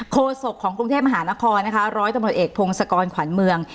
โศกของกรุงเทพมหานครนะคะร้อยตำรวจเอกพงศกรขวัญเมือง